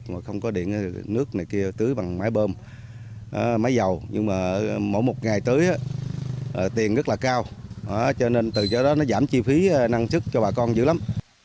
mỗi ngày tới tiền rất là cao từ đó giảm chi phí năng chức cho bà con dữ lắm